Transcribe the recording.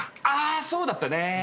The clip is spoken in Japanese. あそうだったね。